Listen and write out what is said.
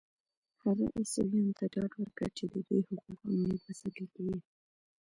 هغه عیسویانو ته ډاډ ورکړ چې د دوی حقوق او امنیت به ساتل کېږي.